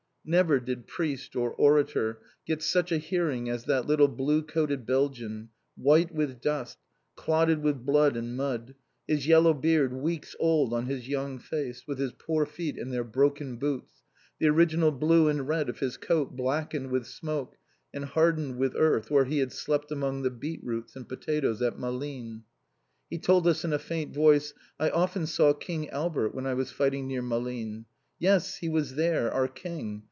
Never did priest, or orator, get such a hearing as that little blue coated Belgian, white with dust, clotted with blood and mud, his yellow beard weeks old on his young face, with his poor feet in their broken boots, the original blue and red of his coat blackened with smoke, and hardened with earth where he had slept among the beet roots and potatoes at Malines. He told us in a faint voice: "I often saw King Albert when I was fighting near Malines. Yes, he was there, our King!